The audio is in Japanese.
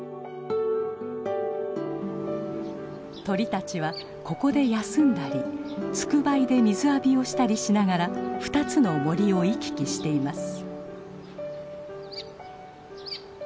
鳥たちはここで休んだりつくばいで水浴びをしたりしながら二つの森を行き来しています。